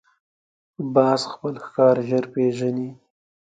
باز خپل ښکار ژر پېژني